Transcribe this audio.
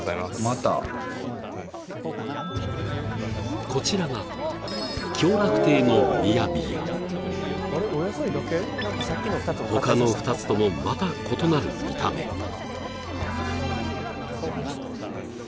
またこちらが享楽亭のミヤビヤ他の２つともまた異なる見た目いただきます